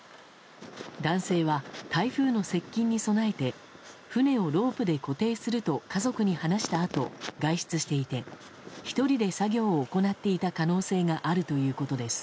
男性は台風の接近に備えて船をロープで固定すると家族に話したあと外出していて１人で作業を行っていた可能性があるということです。